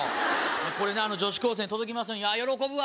これね女子高生に届きますように喜ぶわ。